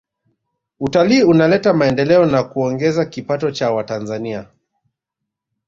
Utalii unaleta maendeleo na kuongeza kipato cha watanzania